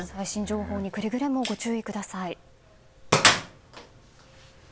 最新情報にくれぐれもご注意ください。